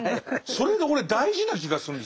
それが俺大事な気がするんですよ。